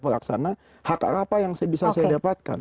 dan saya sebagai manajer pelaksana hak apa yang bisa saya dapatkan